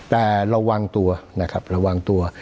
แต่ระวังตัวนะครับระวังตัว